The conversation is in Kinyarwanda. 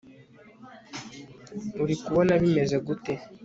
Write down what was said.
uri kubona bimeze gute